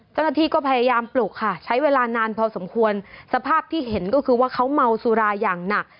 เจ้าหน้าที่ก็พยายามปลุกค่ะใช้เวลานานพอสมควรสภาพที่เห็นก็คือว่าเขาเมาสุราอย่างหนัก